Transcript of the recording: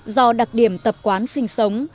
do đặc điểm tập quán sinh sống